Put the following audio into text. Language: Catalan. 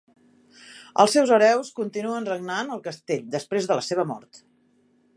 Els seus hereus continuen regnant el castell després de la seva mort.